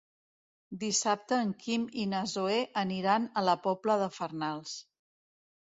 Dissabte en Quim i na Zoè aniran a la Pobla de Farnals.